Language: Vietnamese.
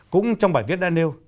cũng trong bài viết daniel